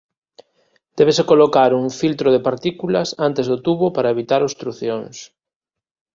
Débese colocar un filtro de partículas antes do tubo para evitar obstrucións.